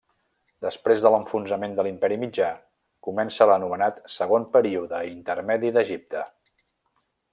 Després de l'enfonsament de l'Imperi Mitjà comença l'anomenat segon període intermedi d'Egipte.